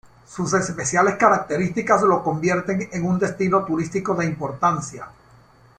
Sus especiales características lo convierten en un destino turístico de importancia.